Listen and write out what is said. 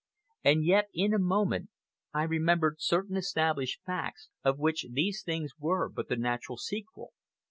And yet, in a moment, I remembered certain established facts, of which these things were but the natural sequel.